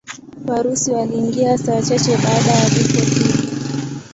Warusi waliingia saa chache baada ya vifo hivi.